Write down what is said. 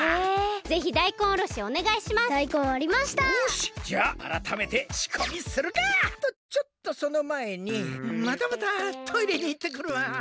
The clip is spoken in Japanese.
よしじゃああらためてしこみするか！とちょっとそのまえにまたまたトイレにいってくるわ。